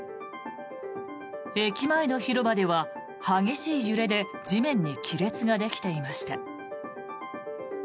駅前の広場では激しい揺れで地面に亀裂ができていました。